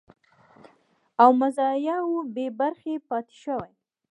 او مزایاوو بې برخې پاتې شوي